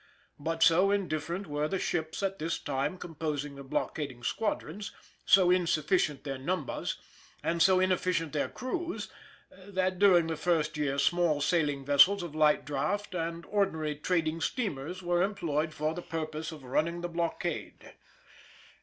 But so indifferent were the ships at this time composing the blockading squadrons, so insufficient their numbers, and so inefficient their crews, that during the first year small sailing vessels of light draught and ordinary trading steamers were employed for the purpose of running the blockade.